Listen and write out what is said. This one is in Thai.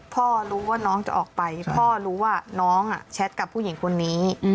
พ่อรู้ว่าน้องจะออกไปพ่อรู้ว่าน้องแชทกับผู้หญิงคนนี้